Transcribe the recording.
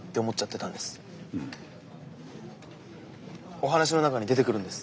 お話の中に出てくるんです。